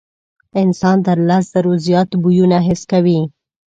انسان تر لس زرو زیات بویونه حس کوي.